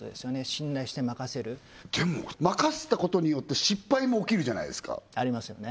信頼して任せるでも任せたことによって失敗も起きるじゃないですかありますよね